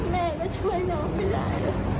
แม่ก็ช่วยน้องไปหลาย